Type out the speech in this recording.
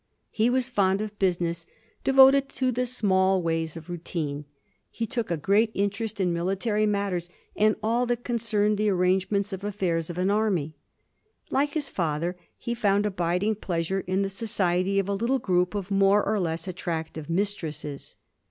He was fond of busi ness — devoted to the small ways of routine. He took a great interest in military matters and all that con cerned the arrangements and affairs of an army. Like his fether, he found abiding pleasure in the society of a little group of more or less attractive mistresses.